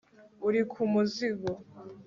Uri ku muzingo